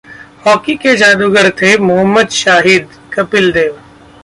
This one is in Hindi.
हॉकी के जादूगर थे मोहम्मद शाहिदः कपिल देव